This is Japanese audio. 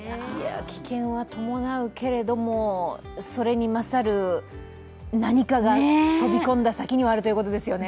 危険は伴うけれども、それに勝る何かが飛び込んだ先にはあるということですよね。